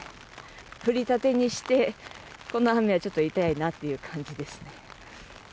降りたてにして、この雨はちょっと痛いなという感じですね。